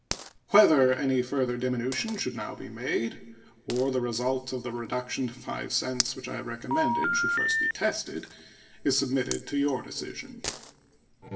Whether any further diminution should now be made, or the result of the reduction to 5 cents, which I have recommended, should be first tested, is submitted to your decision.